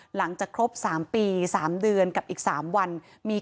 หลังจากครบ๓ปี๓เดือนกับอีก๓วันมี